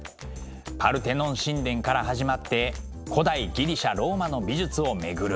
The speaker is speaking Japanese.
パルテノン神殿から始まって古代ギリシャ・ローマの美術をめぐる。